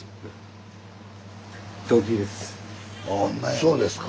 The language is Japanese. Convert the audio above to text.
そうですか。